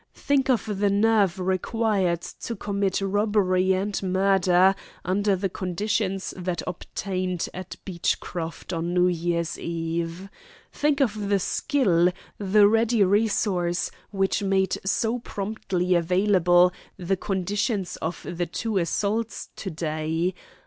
Think of the nerve required to commit robbery and murder under the conditions that obtained at Beechcroft on New Year's Eve. Think of the skill, the ready resource, which made so promptly available the conditions of the two assaults to day.